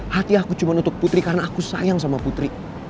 hati aku cuma untuk putri karena aku sayang sama putri